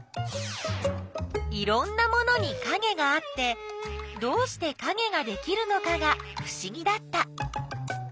いろんなものにかげがあってどうしてかげができるのかがふしぎだった。